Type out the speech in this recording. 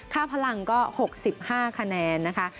พลังก็๖๕คะแนนนะคะ